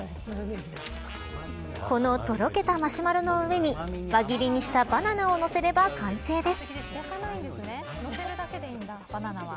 この、とろけたマシュマロの上に輪切りにしたバナナをのせれば完成です。